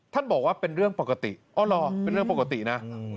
บอกว่าเป็นเรื่องปกติอ๋อเหรอเป็นเรื่องปกตินะ